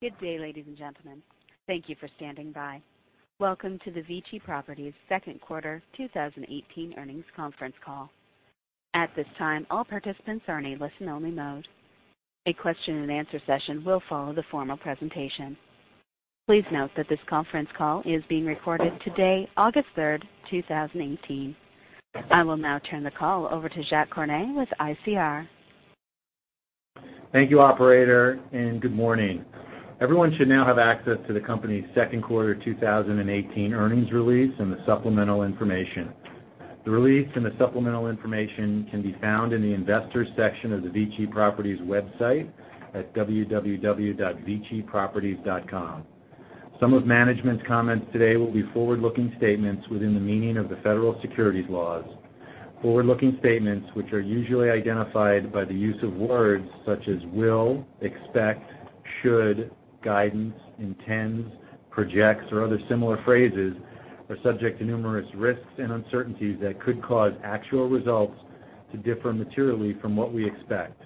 Good day, ladies and gentlemen. Thank you for standing by. Welcome to the VICI Properties second quarter 2018 earnings conference call. At this time, all participants are in a listen-only mode. A question and answer session will follow the formal presentation. Please note that this conference call is being recorded today, August 3rd, 2018. I will now turn the call over to Jacques Cornet with ICR. Thank you, operator. Good morning. Everyone should now have access to the company's second quarter 2018 earnings release and the supplemental information. The release and the supplemental information can be found in the Investors section of the VICI Properties website at www.viciproperties.com. Some of management's comments today will be forward-looking statements within the meaning of the federal securities laws. Forward-looking statements, which are usually identified by the use of words such as will, expect, should, guidance, intends, projects, or other similar phrases, are subject to numerous risks and uncertainties that could cause actual results to differ materially from what we expect.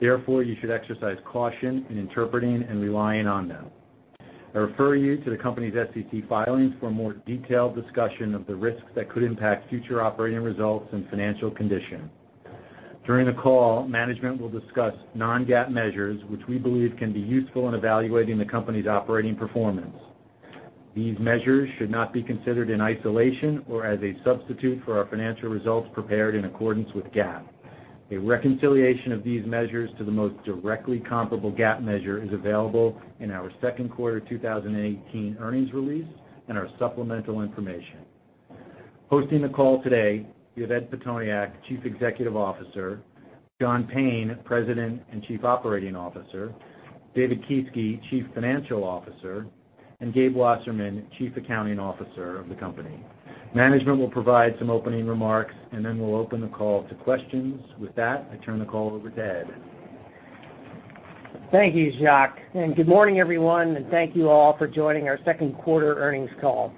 Therefore, you should exercise caution in interpreting and relying on them. I refer you to the company's SEC filings for a more detailed discussion of the risks that could impact future operating results and financial condition. During the call, management will discuss non-GAAP measures, which we believe can be useful in evaluating the company's operating performance. These measures should not be considered in isolation or as a substitute for our financial results prepared in accordance with GAAP. A reconciliation of these measures to the most directly comparable GAAP measure is available in our second quarter 2018 earnings release and our supplemental information. Hosting the call today, we have Ed Pitoniak, Chief Executive Officer, John Payne, President and Chief Operating Officer, David Kieske, Chief Financial Officer, and Gabe Wasserman, Chief Accounting Officer of the company. Management will provide some opening remarks. Then we'll open the call to questions. With that, I turn the call over to Ed. Thank you, Jacques Cornet, and good morning, everyone, and thank you all for joining our second quarter earnings call.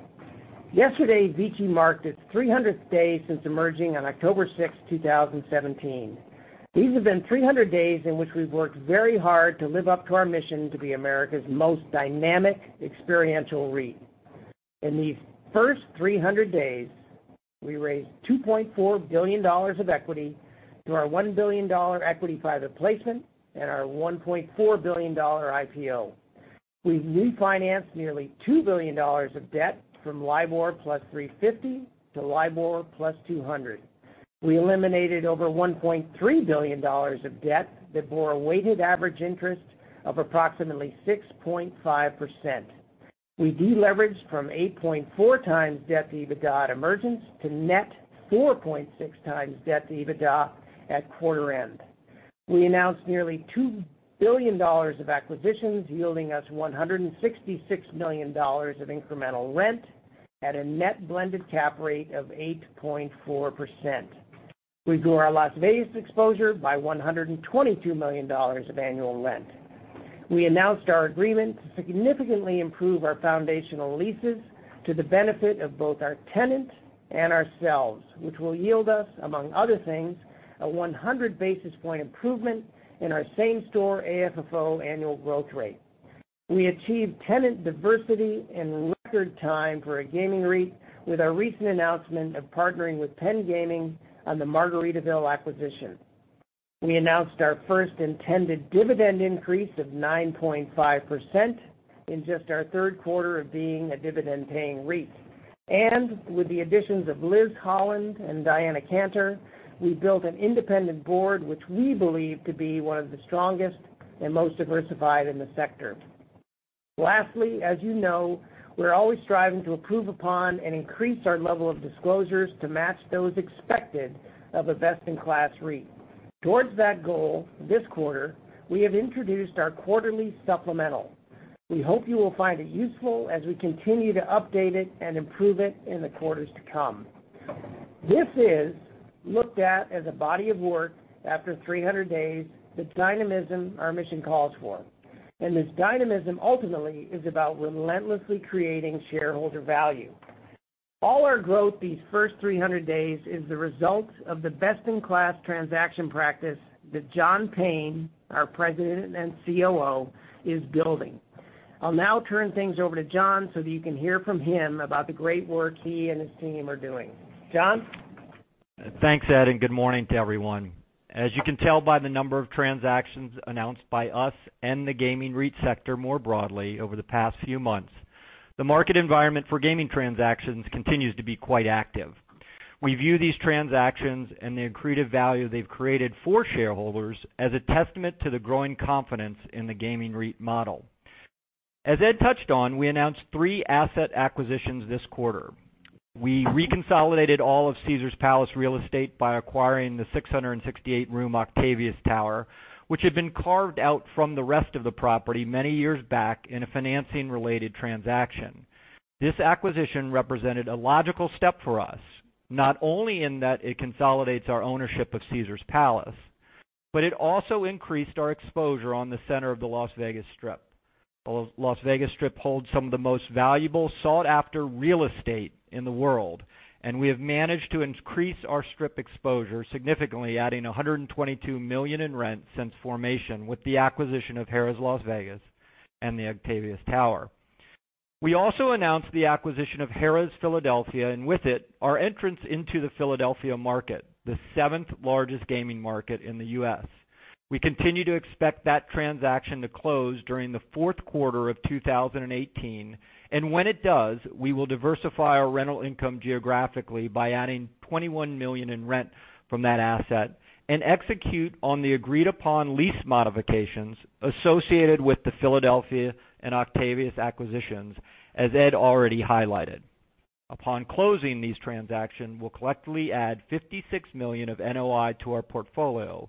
Yesterday, VICI marked its 300th day since emerging on October 6th, 2017. These have been 300 days in which we've worked very hard to live up to our mission to be America's most dynamic experiential REIT. In these first 300 days, we raised $2.4 billion of equity through our $1 billion equity private placement and our $1.4 billion IPO. We refinanced nearly $2 billion of debt from LIBOR plus 350 to LIBOR plus 200. We eliminated over $1.3 billion of debt that bore a weighted average interest of approximately 6.5%. We de-leveraged from 8.4 times debt to EBITDA at emergence to net 4.6 times debt to EBITDA at quarter end. We announced nearly $2 billion of acquisitions, yielding us $166 million of incremental rent at a net blended cap rate of 8.4%. We grew our Las Vegas exposure by $122 million of annual rent. We announced our agreement to significantly improve our foundational leases to the benefit of both our tenant and ourselves, which will yield us, among other things, a 100 basis point improvement in our same-store AFFO annual growth rate. We achieved tenant diversity in record time for a gaming REIT with our recent announcement of partnering with Penn Gaming on the Margaritaville acquisition. We announced our first intended dividend increase of 9.5% in just our third quarter of being a dividend-paying REIT. With the additions of Liz Holland and Diana Cantor, we built an independent board, which we believe to be one of the strongest and most diversified in the sector. Lastly, as you know, we're always striving to improve upon and increase our level of disclosures to match those expected of a best-in-class REIT. Towards that goal, this quarter, we have introduced our quarterly supplemental. We hope you will find it useful as we continue to update it and improve it in the quarters to come. This is looked at as a body of work after 300 days, the dynamism our mission calls for. This dynamism ultimately is about relentlessly creating shareholder value. All our growth these first 300 days is the result of the best-in-class transaction practice that John Payne, our President and COO, is building. I'll now turn things over to John so that you can hear from him about the great work he and his team are doing. John? Thanks, Ed, good morning to everyone. As you can tell by the number of transactions announced by us and the gaming REIT sector more broadly over the past few months, the market environment for gaming transactions continues to be quite active. We view these transactions and the accretive value they've created for shareholders as a testament to the growing confidence in the gaming REIT model. As Ed touched on, we announced three asset acquisitions this quarter. We reconsolidated all of Caesars Palace real estate by acquiring the 668-room Octavius Tower, which had been carved out from the rest of the property many years back in a financing-related transaction. This acquisition represented a logical step for us, not only in that it consolidates our ownership of Caesars Palace, but it also increased our exposure on the center of the Las Vegas Strip. Las Vegas Strip holds some of the most valuable, sought-after real estate in the world, we have managed to increase our Strip exposure, significantly adding $122 million in rent since formation with the acquisition of Harrah's Las Vegas and the Octavius Tower. We also announced the acquisition of Harrah's Philadelphia, with it, our entrance into the Philadelphia market, the seventh largest gaming market in the U.S. We continue to expect that transaction to close during the fourth quarter of 2018, when it does, we will diversify our rental income geographically by adding $21 million in rent from that asset execute on the agreed-upon lease modifications associated with the Philadelphia and Octavius acquisitions, as Ed already highlighted. Upon closing these transactions, we'll collectively add $56 million of NOI to our portfolio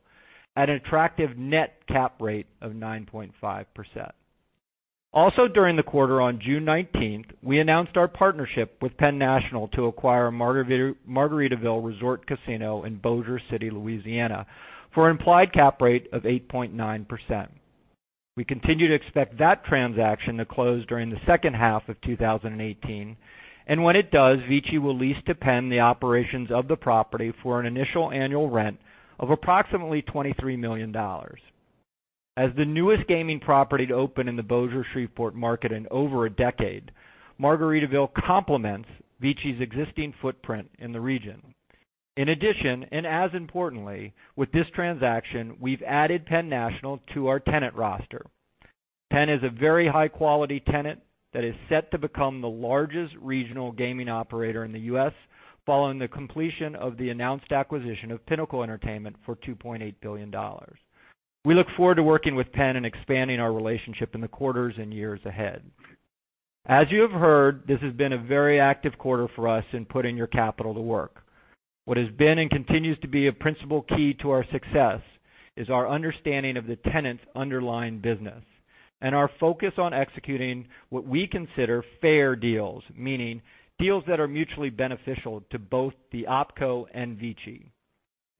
at an attractive net cap rate of 9.5%. Also during the quarter on June 19th, we announced our partnership with Penn National to acquire a Margaritaville Resort Casino in Bossier City, Louisiana, for an implied cap rate of 8.9%. We continue to expect that transaction to close during the second half of 2018, and when it does, VICI will lease to Penn the operations of the property for an initial annual rent of approximately $23 million. As the newest gaming property to open in the Bossier/Shreveport market in over a decade, Margaritaville complements VICI's existing footprint in the region. In addition, as importantly, with this transaction, we've added Penn National to our tenant roster. Penn is a very high-quality tenant that is set to become the largest regional gaming operator in the U.S. following the completion of the announced acquisition of Pinnacle Entertainment for $2.8 billion. We look forward to working with Penn and expanding our relationship in the quarters and years ahead. As you have heard, this has been a very active quarter for us in putting your capital to work. What has been and continues to be a principal key to our success is our understanding of the tenant's underlying business and our focus on executing what we consider fair deals, meaning deals that are mutually beneficial to both the OpCo and VICI.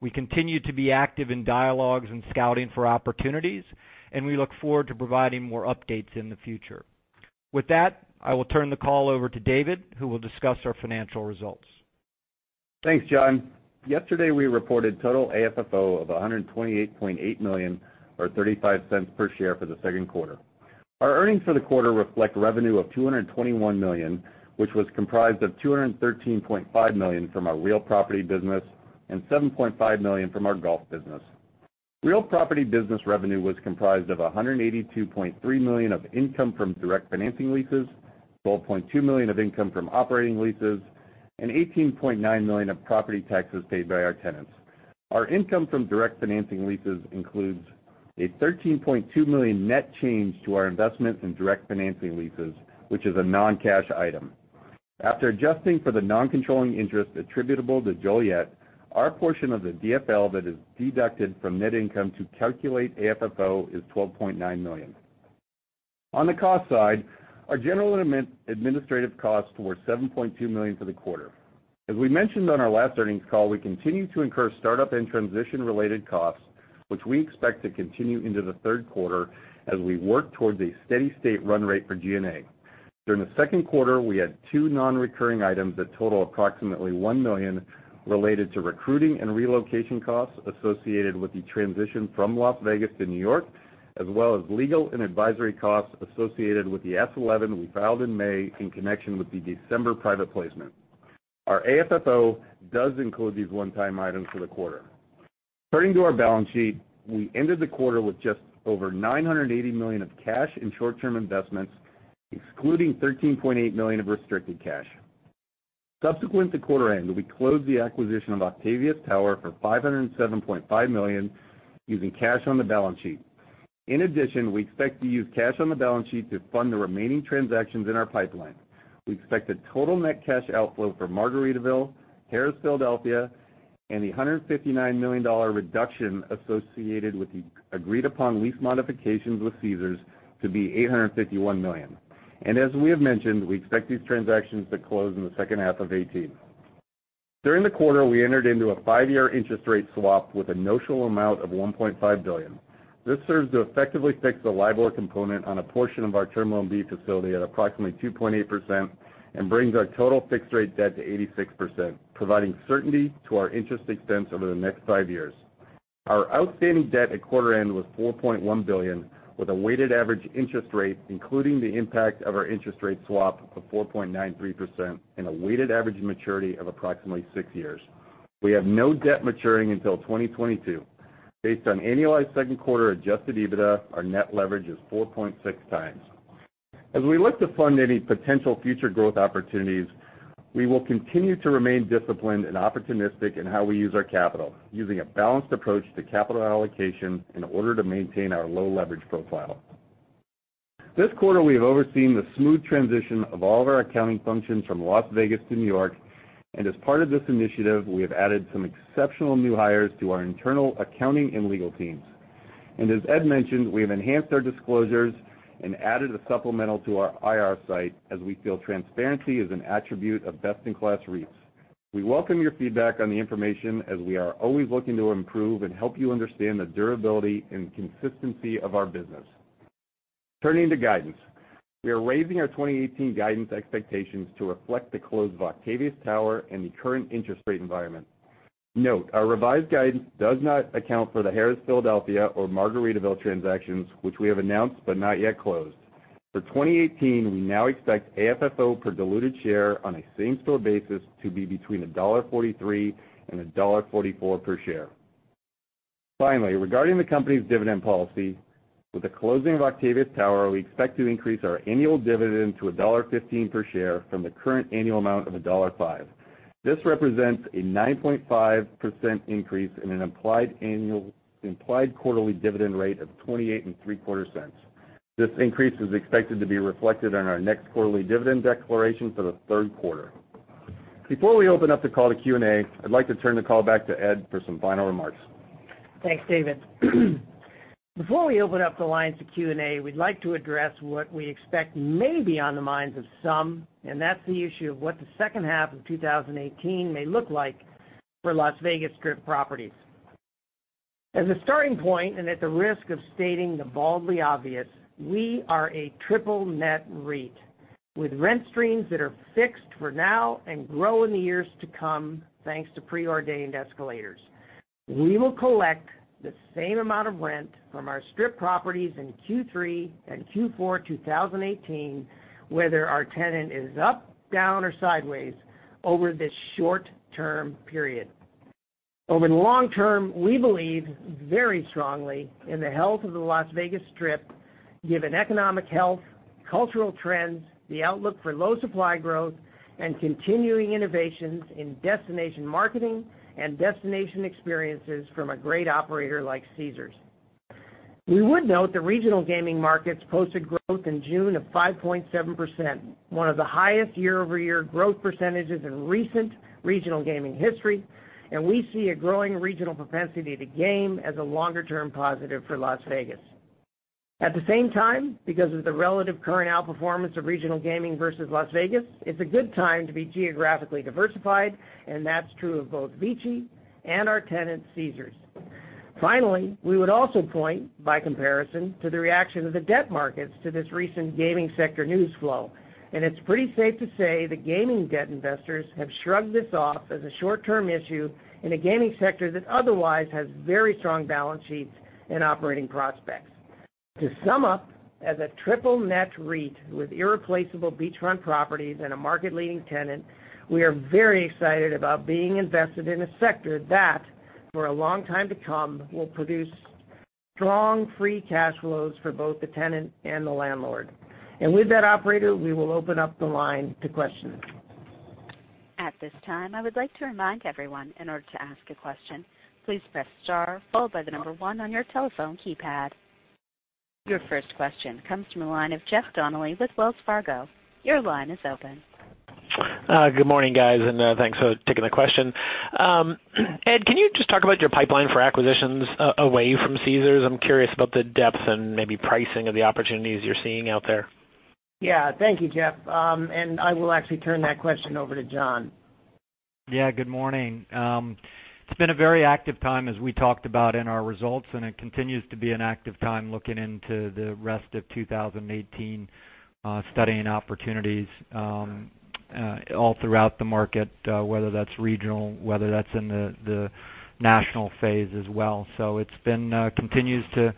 We continue to be active in dialogues and scouting for opportunities, and we look forward to providing more updates in the future. With that, I will turn the call over to David, who will discuss our financial results. Thanks, John. Yesterday, we reported total AFFO of $128.8 million or $0.35 per share for the second quarter. Our earnings for the quarter reflect revenue of $221 million, which was comprised of $213.5 million from our real property business and $7.5 million from our golf business. Real property business revenue was comprised of $182.3 million of income from direct financing leases, $12.2 million of income from operating leases, and $18.9 million of property taxes paid by our tenants. Our income from direct financing leases includes a $13.2 million net change to our investments in direct financing leases, which is a non-cash item. After adjusting for the non-controlling interest attributable to Joliet, our portion of the DFL that is deducted from net income to calculate AFFO is $12.9 million. On the cost side, our general and administrative costs were $7.2 million for the quarter. As we mentioned on our last earnings call, we continue to incur startup and transition-related costs, which we expect to continue into the third quarter as we work towards a steady state run rate for G&A. During the second quarter, we had two non-recurring items that total approximately $1 million related to recruiting and relocation costs associated with the transition from Las Vegas to New York, as well as legal and advisory costs associated with the S-11 we filed in May in connection with the December private placement. Our AFFO does include these one-time items for the quarter. Turning to our balance sheet, we ended the quarter with just over $980 million of cash and short-term investments, excluding $13.8 million of restricted cash. Subsequent to quarter end, we closed the acquisition of Octavius Tower for $507.5 million using cash on the balance sheet. In addition, we expect to use cash on the balance sheet to fund the remaining transactions in our pipeline. We expect the total net cash outflow for Margaritaville, Harrah's Philadelphia, and the $159 million reduction associated with the agreed-upon lease modifications with Caesars to be $851 million. As we have mentioned, we expect these transactions to close in the second half of 2018. During the quarter, we entered into a five-year interest rate swap with a notional amount of $1.5 billion. This serves to effectively fix the LIBOR component on a portion of our Term Loan B facility at approximately 2.8% and brings our total fixed rate debt to 86%, providing certainty to our interest expense over the next five years. Our outstanding debt at quarter end was $4.1 billion, with a weighted average interest rate, including the impact of our interest rate swap of 4.93% and a weighted average maturity of approximately six years. We have no debt maturing until 2022. Based on annualized second quarter adjusted EBITDA, our net leverage is 4.6 times. As we look to fund any potential future growth opportunities, we will continue to remain disciplined and opportunistic in how we use our capital, using a balanced approach to capital allocation in order to maintain our low leverage profile. This quarter, we have overseen the smooth transition of all of our accounting functions from Las Vegas to New York, as part of this initiative, we have added some exceptional new hires to our internal accounting and legal teams. As Ed mentioned, we have enhanced our disclosures and added a supplemental to our IR site as we feel transparency is an attribute of best-in-class REITs. We welcome your feedback on the information as we are always looking to improve and help you understand the durability and consistency of our business. Turning to guidance. We are raising our 2018 guidance expectations to reflect the close of Octavius Tower and the current interest rate environment. Note, our revised guidance does not account for the Harrah's Philadelphia or Margaritaville transactions, which we have announced but not yet closed. For 2018, we now expect AFFO per diluted share on a same store basis to be between $1.43 and $1.44 per share. Finally, regarding the company's dividend policy, with the closing of Octavius Tower, we expect to increase our annual dividend to $1.15 per share from the current annual amount of $1.05. This represents a 9.5% increase in an implied quarterly dividend rate of $0.2875. This increase is expected to be reflected on our next quarterly dividend declaration for the third quarter. Before we open up the call to Q&A, I'd like to turn the call back to Ed for some final remarks. Thanks, David. Before we open up the lines to Q&A, we'd like to address what we expect may be on the minds of some, and that's the issue of what the second half of 2018 may look like for Las Vegas Strip properties. As a starting point, and at the risk of stating the baldly obvious, we are a triple net REIT with rent streams that are fixed for now and grow in the years to come, thanks to preordained escalators. We will collect the same amount of rent from our Strip properties in Q3 and Q4 2018, whether our tenant is up, down, or sideways over this short-term period. Over the long term, we believe very strongly in the health of the Las Vegas Strip, given economic health, cultural trends, the outlook for low supply growth, and continuing innovations in destination marketing and destination experiences from a great operator like Caesars. We would note the regional gaming markets posted growth in June of 5.7%, one of the highest year-over-year growth percentages in recent regional gaming history. We see a growing regional propensity to game as a longer-term positive for Las Vegas. At the same time, because of the relative current outperformance of regional gaming versus Las Vegas, it's a good time to be geographically diversified, and that's true of both VICI and our tenant, Caesars. Finally, we would also point, by comparison, to the reaction of the debt markets to this recent gaming sector news flow. It's pretty safe to say that gaming debt investors have shrugged this off as a short-term issue in a gaming sector that otherwise has very strong balance sheets and operating prospects. To sum up, as a triple net REIT with irreplaceable beachfront properties and a market-leading tenant, we are very excited about being invested in a sector that, for a long time to come, will produce strong free cash flows for both the tenant and the landlord. With that, operator, we will open up the line to questions. At this time, I would like to remind everyone, in order to ask a question, please press star followed by the number one on your telephone keypad. Your first question comes from the line of Jeff Donnelly with Wells Fargo. Your line is open. Good morning, guys. Thanks for taking the question. Ed, can you just talk about your pipeline for acquisitions away from Caesars? I'm curious about the depth and maybe pricing of the opportunities you're seeing out there. Yeah. Thank you, Jeff. I will actually turn that question over to John. Yeah. Good morning. It's been a very active time as we talked about in our results. It continues to be an active time looking into the rest of 2018, studying opportunities all throughout the market, whether that's regional, whether that's in the national phase as well. It continues to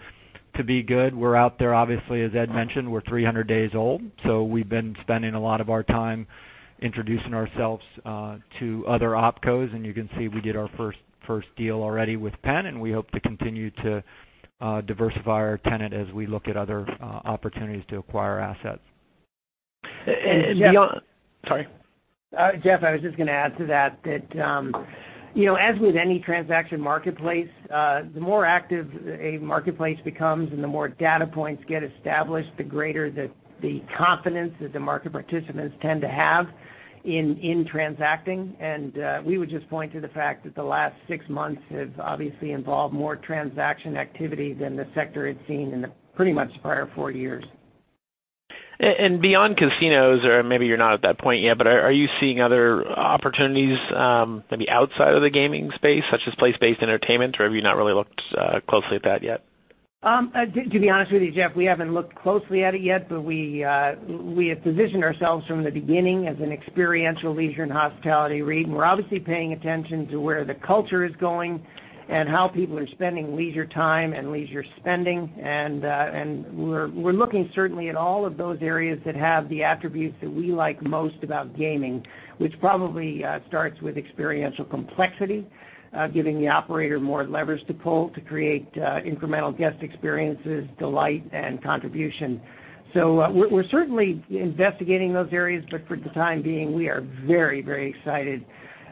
be good. We're out there, obviously, as Ed mentioned, we're 300 days old, so we've been spending a lot of our time introducing ourselves to other OpCos. You can see we did our first deal already with Penn. We hope to continue to diversify our tenant as we look at other opportunities to acquire assets. Sorry. Jeff, I was just going to add to that as with any transaction marketplace, the more active a marketplace becomes and the more data points get established, the greater the confidence that the market participants tend to have in transacting. We would just point to the fact that the last 6 months have obviously involved more transaction activity than the sector had seen in the pretty much the prior four years. Beyond casinos, or maybe you're not at that point yet, but are you seeing other opportunities maybe outside of the gaming space, such as place-based entertainment, or have you not really looked closely at that yet? To be honest with you, Jeff, we haven't looked closely at it yet, but we have positioned ourselves from the beginning as an experiential leisure and hospitality REIT. We're obviously paying attention to where the culture is going and how people are spending leisure time and leisure spending. We're looking certainly at all of those areas that have the attributes that we like most about gaming, which probably starts with experiential complexity, giving the operator more levers to pull to create incremental guest experiences, delight, and contribution. We're certainly investigating those areas, but for the time being, we are very excited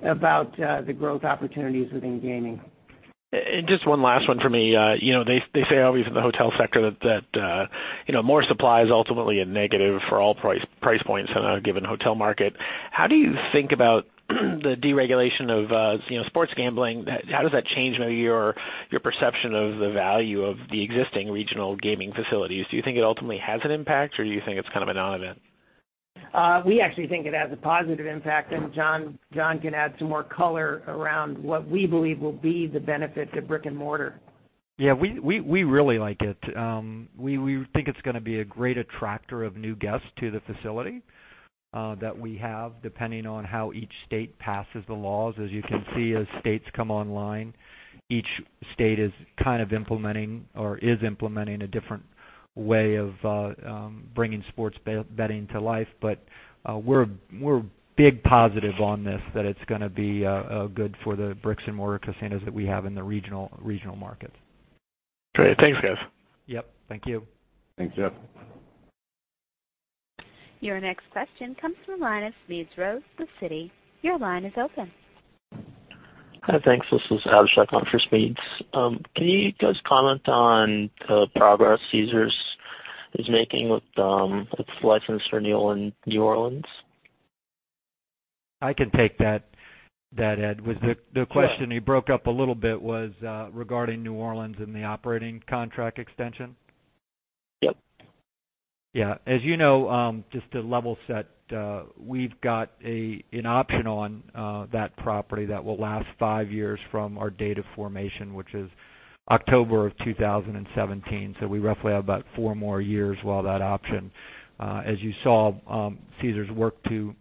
about the growth opportunities within gaming. Just one last one for me. They say always in the hotel sector that more supply is ultimately a negative for all price points in a given hotel market. How do you think about the deregulation of sports gambling? How does that change maybe your perception of the value of the existing regional gaming facilities? Do you think it ultimately has an impact, or do you think it's kind of a non-event? We actually think it has a positive impact, John can add some more color around what we believe will be the benefit to brick and mortar. Yeah, we really like it. We think it's going to be a great attractor of new guests to the facility that we have, depending on how each state passes the laws. As you can see, as states come online, each state is implementing a different way of bringing sports betting to life. We're big positive on this, that it's going to be good for the bricks-and-mortar casinos that we have in the regional markets. Great. Thanks, guys. Yep. Thank you. Thanks, Jeff. Your next question comes from the line of Smedes Rose with Citi. Your line is open. Hi, thanks. This is Abhishek on for Smedes. Can you guys comment on the progress Caesars is making with its license for New Orleans? I can take that, Ed. The question, he broke up a little bit, was regarding New Orleans and the operating contract extension? Yep. Yeah. As you know, just to level set, we've got an option on that property that will last 5 years from our date of formation, which is October 2017. We roughly have about 4 more years while that option. As you saw, Caesars worked to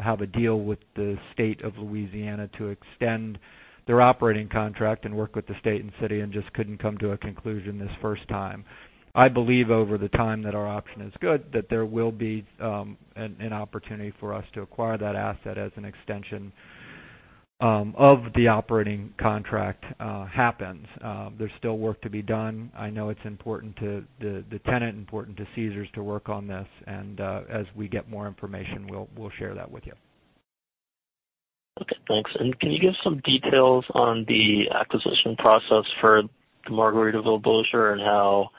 have a deal with the state of Louisiana to extend their operating contract and work with the state and city and just couldn't come to a conclusion this first time. I believe over the time that our option is good, that there will be an opportunity for us to acquire that asset as an extension of the operating contract happens. There's still work to be done. I know it's important to the tenant, important to Caesars to work on this, and as we get more information, we'll share that with you. Okay, thanks. Can you give some details on the acquisition process for the Margaritaville Resort Casino and how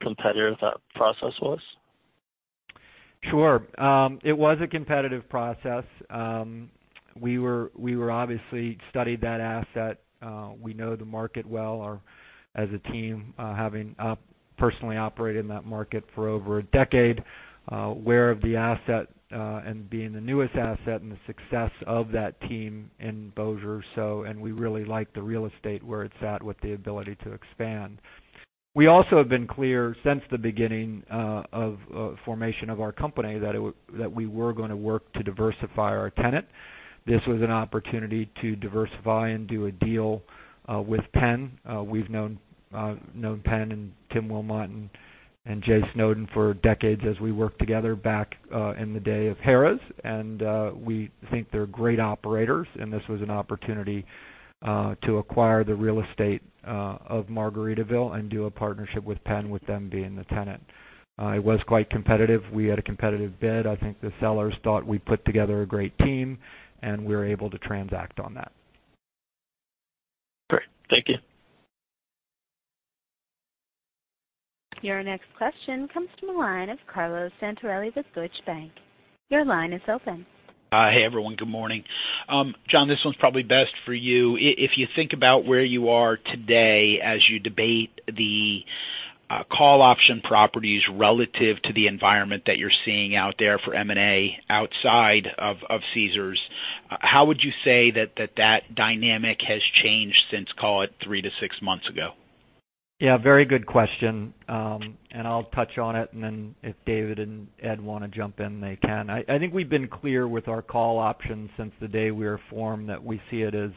competitive that process was? Sure. It was a competitive process. We obviously studied that asset. We know the market well as a team, having personally operated in that market for over a decade, aware of the asset, and being the newest asset and the success of that team in Bossier. We really like the real estate where it's at with the ability to expand. We also have been clear since the beginning of formation of our company that we were going to work to diversify our tenant. This was an opportunity to diversify and do a deal with Penn. We've known Penn and Tim Wilmott and Jay Snowden for decades as we worked together back in the day of Harrah's, we think they're great operators, and this was an opportunity to acquire the real estate of Margaritaville and do a partnership with Penn, with them being the tenant. It was quite competitive. We had a competitive bid. I think the sellers thought we put together a great team, and we were able to transact on that. Great. Thank you. Your next question comes from the line of Carlo Santarelli with Deutsche Bank. Your line is open. Hi, everyone. Good morning. John, this one's probably best for you. If you think about where you are today as you debate the call option properties relative to the environment that you're seeing out there for M&A outside of Caesars, how would you say that dynamic has changed since, call it, three to six months ago? Yeah. Very good question. I'll touch on it, and then if David and Ed want to jump in, they can. I think we've been clear with our call options since the day we were formed that we see it as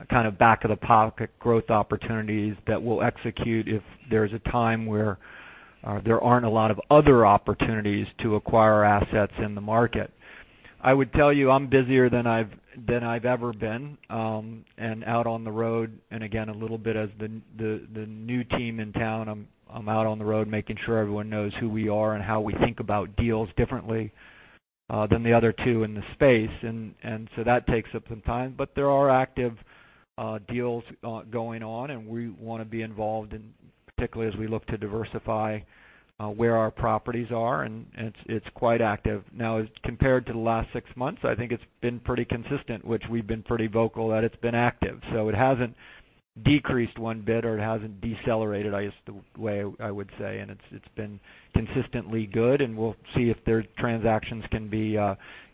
a kind of back-of-the-pocket growth opportunities that we'll execute if there's a time where there aren't a lot of other opportunities to acquire assets in the market. I would tell you, I'm busier than I've ever been, and out on the road, and again, a little bit as the new team in town, I'm out on the road making sure everyone knows who we are and how we think about deals differently than the other two in the space. That takes up some time. There are active deals going on, and we want to be involved, particularly as we look to diversify where our properties are, and it's quite active. Now, as compared to the last six months, I think it's been pretty consistent, which we've been pretty vocal that it's been active. It hasn't decreased one bit, or it hasn't decelerated, I guess, the way I would say. It's been consistently good, and we'll see if their transactions can be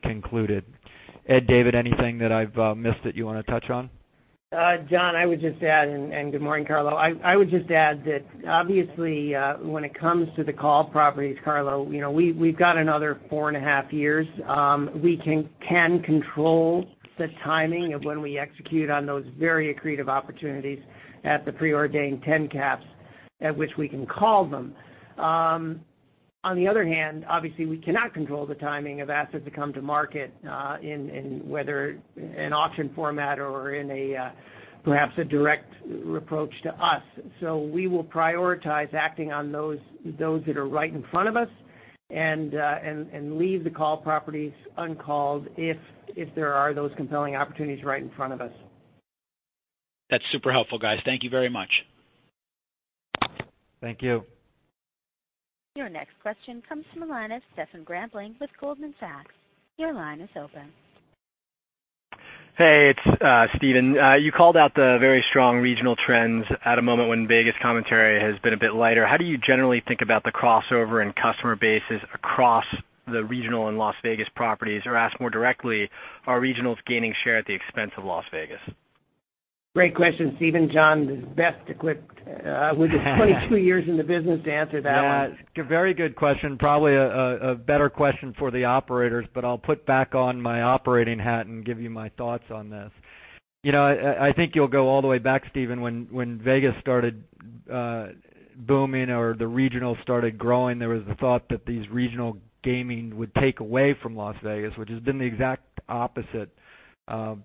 concluded. Ed, David, anything that I've missed that you want to touch on? John, I would just add, and good morning, Carlo. I would just add that obviously, when it comes to the call properties, Carlo, we've got another four and a half years. We can control the timing of when we execute on those very accretive opportunities at the preordained 10 caps at which we can call them. On the other hand, obviously, we cannot control the timing of assets that come to market, in whether an auction format or in perhaps a direct approach to us. We will prioritize acting on those that are right in front of us and leave the call properties uncalled if there are those compelling opportunities right in front of us. That's super helpful, guys. Thank you very much. Thank you. Your next question comes from the line of Stephen Grambling with Goldman Sachs. Your line is open. Hey, it's Stephen. You called out the very strong regional trends at a moment when Vegas commentary has been a bit lighter. How do you generally think about the crossover and customer bases across the regional and Las Vegas properties? Asked more directly, are regionals gaining share at the expense of Las Vegas? Great question, Stephen. John is best equipped with his 22 years in the business to answer that one. Yeah. A very good question. Probably a better question for the operators, but I'll put back on my operating hat and give you my thoughts on this. I think you'll go all the way back, Stephen, when Vegas started booming or the regionals started growing, there was the thought that these regional gaming would take away from Las Vegas, which has been the exact opposite. As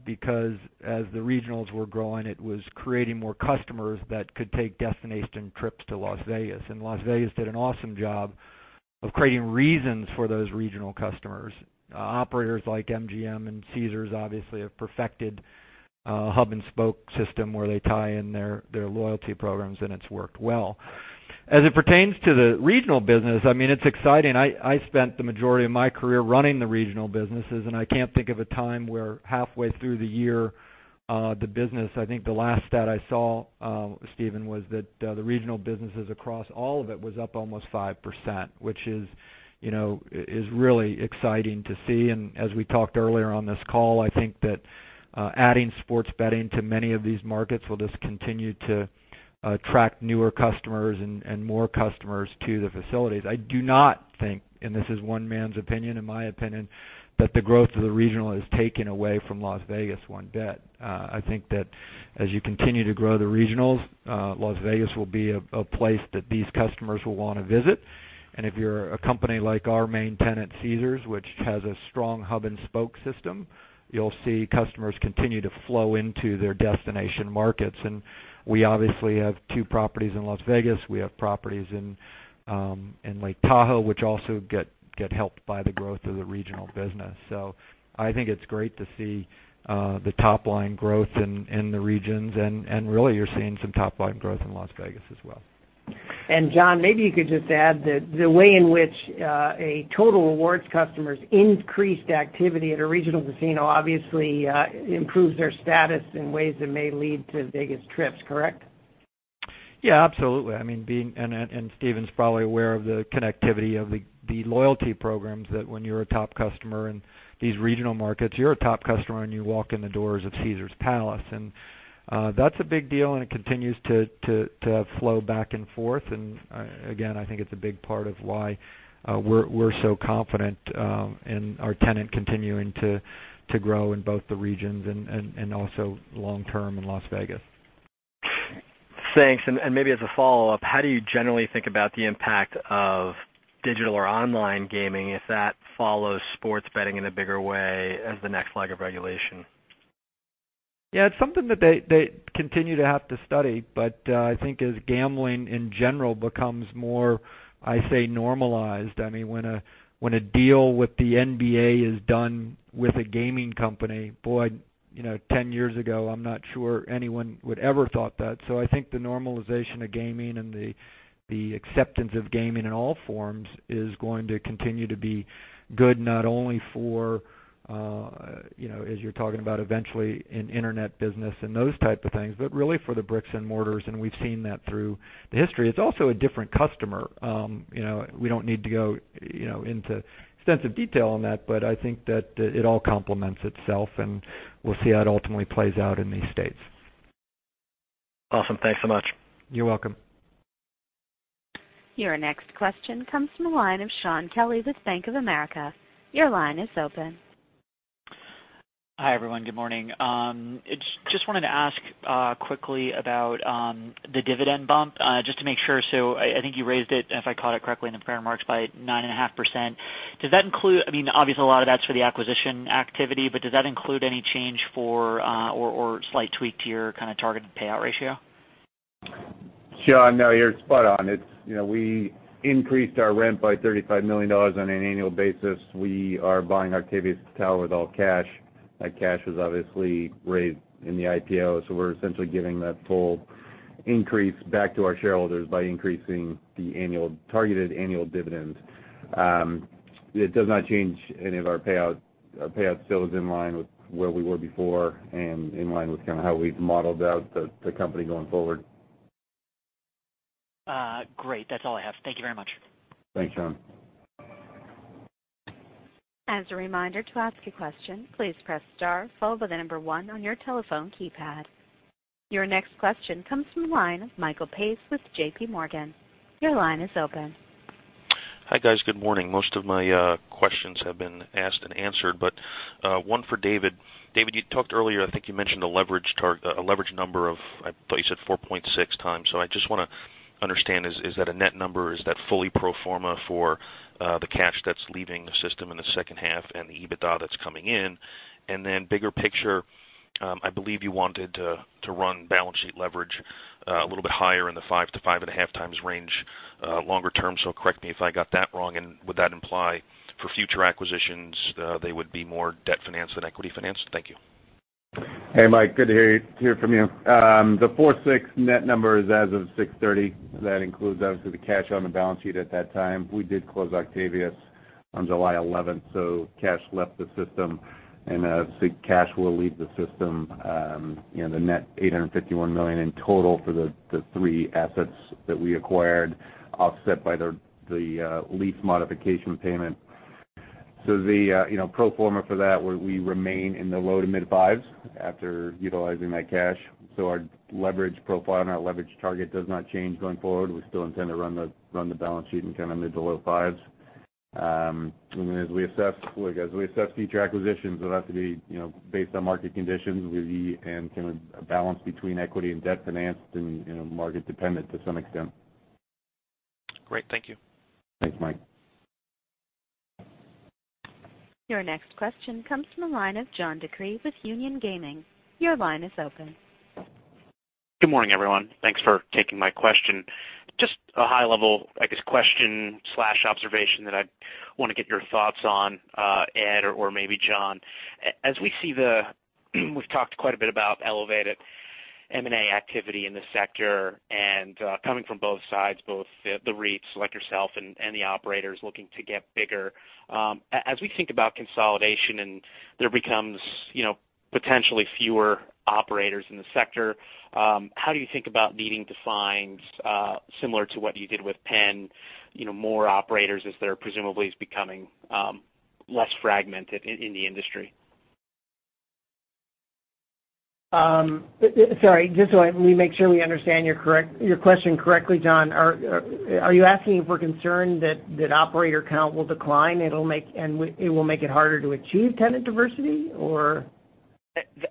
the regionals were growing, it was creating more customers that could take destination trips to Las Vegas. Las Vegas did an awesome job of creating reasons for those regional customers. Operators like MGM and Caesars obviously have perfected a hub and spoke system where they tie in their loyalty programs, and it's worked well. As it pertains to the regional business, it's exciting. I spent the majority of my career running the regional businesses. I can't think of a time where halfway through the year, the business, I think the last stat I saw, Stephen, was that the regional businesses across all of it was up almost 5%, which is really exciting to see. As we talked earlier on this call, I think that adding sports betting to many of these markets will just continue to attract newer customers and more customers to the facilities. I do not think, and this is one man's opinion, in my opinion, that the growth of the regional is taking away from Las Vegas one bit. I think that as you continue to grow the regionals, Las Vegas will be a place that these customers will want to visit. If you're a company like our main tenant, Caesars, which has a strong hub and spoke system, you'll see customers continue to flow into their destination markets. We obviously have two properties in Las Vegas. We have properties in Lake Tahoe, which also get helped by the growth of the regional business. I think it's great to see the top-line growth in the regions and really you're seeing some top-line growth in Las Vegas as well. John, maybe you could just add that the way in which a Total Rewards customer's increased activity at a regional casino obviously improves their status in ways that may lead to Vegas trips, correct? Yeah, absolutely. Stephen is probably aware of the connectivity of the loyalty programs, that when you're a top customer in these regional markets, you're a top customer when you walk in the doors of Caesars Palace. That's a big deal and it continues to flow back and forth. Again, I think it's a big part of why we're so confident in our tenant continuing to grow in both the regions and also long-term in Las Vegas. Thanks. Maybe as a follow-up, how do you generally think about the impact of digital or online gaming if that follows sports betting in a bigger way as the next leg of regulation? Yeah, it's something that they continue to have to study. I think as gambling in general becomes more, I say, normalized, when a deal with the NBA is done with a gaming company, boy, 10 years ago, I'm not sure anyone would ever thought that. I think the normalization of gaming and the acceptance of gaming in all forms is going to continue to be good, not only for, as you're talking about eventually in internet business and those type of things, but really for the bricks and mortars, and we've seen that through the history. It's also a different customer. We don't need to go into extensive detail on that, but I think that it all complements itself, and we'll see how it ultimately plays out in these states. Awesome. Thanks so much. You're welcome. Your next question comes from the line of Shaun Kelley with Bank of America. Your line is open. Hi, everyone. Good morning. Just wanted to ask quickly about the dividend bump. Just to make sure, I think you raised it, if I caught it correctly in the prepared remarks, by 9.5%. Obviously, a lot of that's for the acquisition activity, does that include any change for or slight tweak to your targeted payout ratio? Shaun, no, you're spot on. We increased our rent by $35 million on an annual basis. We are buying Octavius Tower with all cash. That cash was obviously raised in the IPO, we're essentially giving that full increase back to our shareholders by increasing the targeted annual dividend. It does not change any of our payout. Our payout still is in line with where we were before and in line with how we've modeled out the company going forward. Great. That's all I have. Thank you very much. Thanks, Shaun. As a reminder, to ask a question, please press star, followed by the number 1 on your telephone keypad. Your next question comes from the line of Michael Pace with JP Morgan. Your line is open. Hi, guys. Good morning. Most of my questions have been asked and answered, but one for David. David, you talked earlier, I think you mentioned a leverage number of, I thought you said 4.6 times. I just want to understand, is that a net number? Is that fully pro forma for the cash that's leaving the system in the second half and the EBITDA that's coming in? Bigger picture, I believe you wanted to run balance sheet leverage a little bit higher in the 5 to 5.5 times range longer term. Correct me if I got that wrong. Would that imply for future acquisitions, they would be more debt financed than equity financed? Thank you. Hey, Mike. Good to hear from you. The 4.6 net number is as of 6/30. That includes obviously the cash on the balance sheet at that time. We did close Octavius on July 11th, cash left the system and obviously cash will leave the system, the net $851 million in total for the three assets that we acquired, offset by the lease modification payment. The pro forma for that, where we remain in the low to mid 5s after utilizing that cash. Our leverage profile and our leverage target does not change going forward. We still intend to run the balance sheet in mid to low 5s. As we assess future acquisitions, it'll have to be based on market conditions, and a balance between equity and debt financed, and market dependent to some extent. Great. Thank you. Thanks, Mike. Your next question comes from the line of John DeCree with Union Gaming. Your line is open. Good morning, everyone. Thanks for taking my question. Just a high level, I guess, question/observation that I want to get your thoughts on, Ed or maybe John. We've talked quite a bit about elevated M&A activity in the sector and coming from both sides, both the REITs like yourself and the operators looking to get bigger. As we think about consolidation and there becomes potentially fewer operators in the sector, how do you think about needing to find, similar to what you did with Penn, more operators as they're presumably becoming less fragmented in the industry? Sorry, just so we make sure we understand your question correctly, John. Are you asking if we're concerned that operator count will decline, and it will make it harder to achieve tenant diversity, or?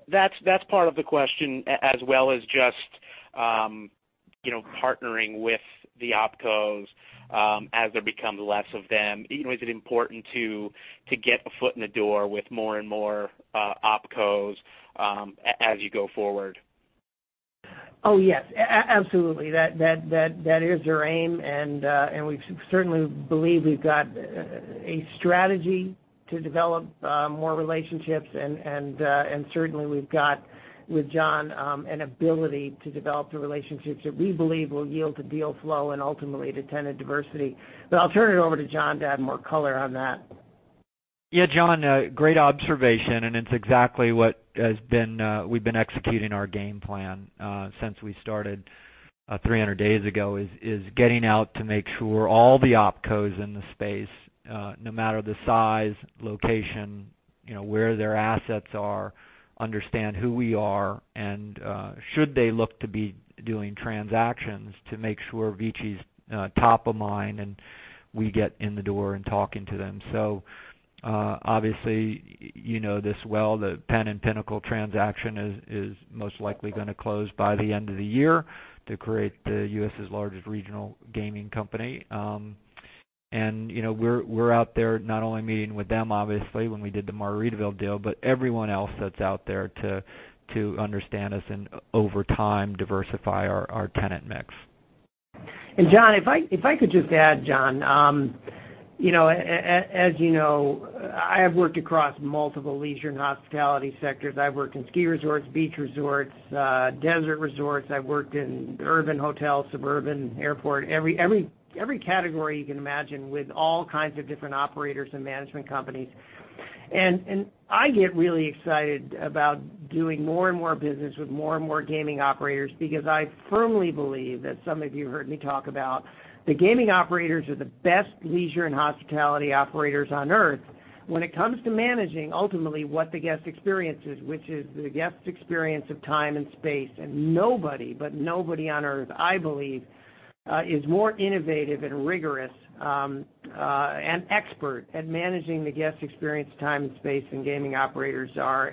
That's part of the question, as well as just partnering with the OpCos as there becomes less of them. Is it important to get a foot in the door with more and more OpCos as you go forward? Yes. Absolutely. That is our aim, we certainly believe we've got a strategy to develop more relationships, certainly we've got, with John, an ability to develop the relationships that we believe will yield to deal flow and ultimately to tenant diversity. I'll turn it over to John to add more color on that. John, great observation, it's exactly what we've been executing our game plan since we started 300 days ago, is getting out to make sure all the OpCos in the space, no matter the size, location, where their assets are, understand who we are. Should they look to be doing transactions, to make sure VICI's top of mind and we get in the door and talking to them. Obviously, you know this well, the Penn and Pinnacle transaction is most likely going to close by the end of the year to create the U.S.'s largest regional gaming company. We're out there not only meeting with them, obviously, when we did the Margaritaville deal, but everyone else that's out there to understand us and over time diversify our tenant mix. John, if I could just add, John. As you know, I have worked across multiple leisure and hospitality sectors. I've worked in ski resorts, beach resorts, desert resorts. I've worked in urban hotels, suburban, airport, every category you can imagine with all kinds of different operators and management companies. I get really excited about doing more and more business with more and more gaming operators because I firmly believe, as some of you heard me talk about, that gaming operators are the best leisure and hospitality operators on Earth when it comes to managing ultimately what the guest experiences, which is the guest experience of time and space. Nobody, but nobody on Earth, I believe, is more innovative and rigorous and expert at managing the guest experience time and space than gaming operators are.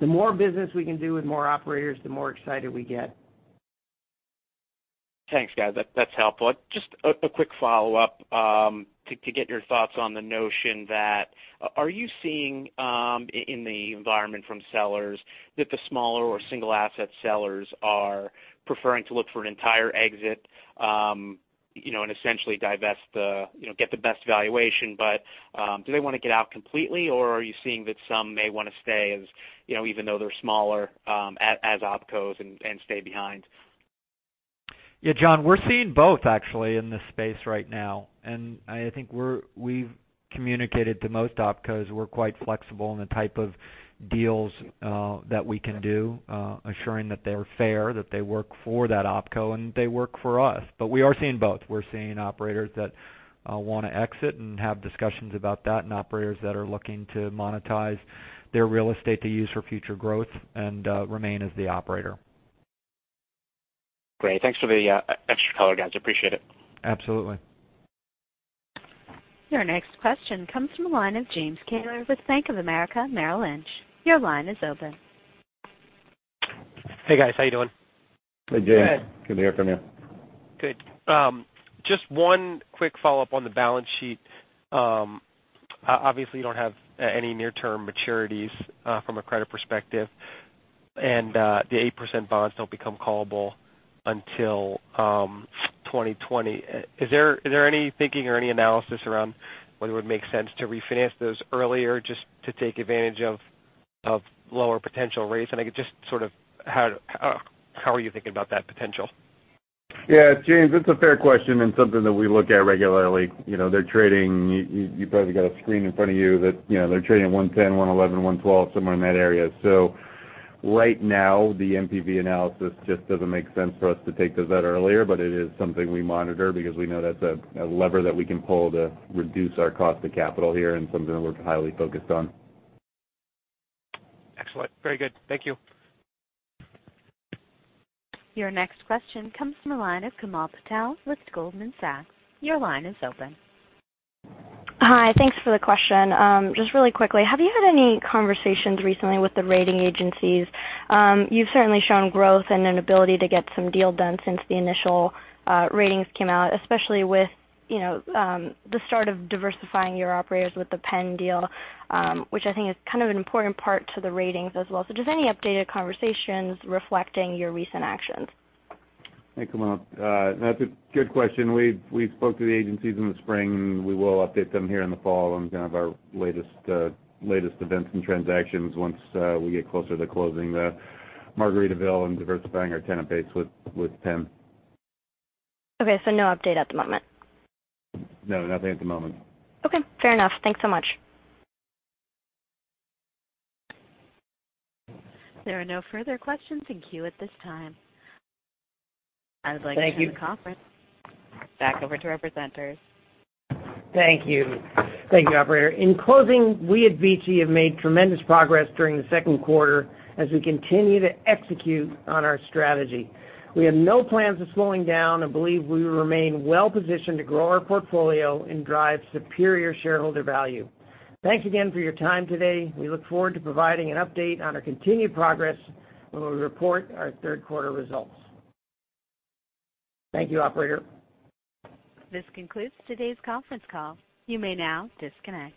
The more business we can do with more operators, the more excited we get. Thanks, guys. That's helpful. Just a quick follow-up to get your thoughts on the notion. Are you seeing in the environment from sellers that the smaller or single asset sellers are preferring to look for an entire exit, and essentially get the best valuation? Do they want to get out completely, or are you seeing that some may want to stay, even though they're smaller, as OpCos and stay behind? Yeah, John, we're seeing both actually in this space right now, and I think we've communicated to most OpCos we're quite flexible in the type of deals that we can do, assuring that they're fair, that they work for that OpCo, and they work for us. We are seeing both. We're seeing operators that want to exit and have discussions about that, and operators that are looking to monetize their real estate to use for future growth and remain as the operator. Great. Thanks for the extra color, guys. Appreciate it. Absolutely. Your next question comes from the line of James Kayler with Bank of America Merrill Lynch. Your line is open. Hey, guys. How you doing? Hey, James. Hey. Good to hear from you. Good. Just one quick follow-up on the balance sheet. Obviously, you don't have any near-term maturities from a credit perspective, and the 8% bonds don't become callable until 2020. Is there any thinking or any analysis around whether it would make sense to refinance those earlier just to take advantage of lower potential rates? Just how are you thinking about that potential? Yeah, James, it's a fair question and something that we look at regularly. You probably got a screen in front of you that they're trading at 110, 111, 112, somewhere in that area. Right now, the NPV analysis just doesn't make sense for us to take those out earlier, but it is something we monitor because we know that's a lever that we can pull to reduce our cost of capital here and something that we're highly focused on. Excellent. Very good. Thank you. Your next question comes from the line of Komal Patel with Goldman Sachs. Your line is open. Hi. Thanks for the question. Just really quickly, have you had any conversations recently with the rating agencies? You've certainly shown growth and an ability to get some deals done since the initial ratings came out, especially with the start of diversifying your operators with the Penn deal, which I think is kind of an important part to the ratings as well. Just any updated conversations reflecting your recent actions? Hey, Komal. That's a good question. We spoke to the agencies in the spring. We will update them here in the fall on kind of our latest events and transactions once we get closer to closing the Margaritaville and diversifying our tenant base with Penn. Okay, no update at the moment? No, nothing at the moment. Okay, fair enough. Thanks so much. There are no further questions in queue at this time. Thank you. I would like to turn the conference back over to our presenters. Thank you. Thank you, operator. In closing, we at VICI have made tremendous progress during the second quarter as we continue to execute on our strategy. We have no plans of slowing down and believe we will remain well-positioned to grow our portfolio and drive superior shareholder value. Thanks again for your time today. We look forward to providing an update on our continued progress when we report our third quarter results. Thank you, operator. This concludes today's conference call. You may now disconnect.